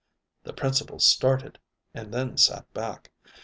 The Principal started and then sat back.